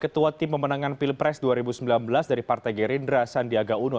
ketua tim pemenangan pilpres dua ribu sembilan belas dari partai gerindra sandiaga uno